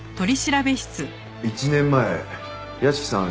１年前屋敷さん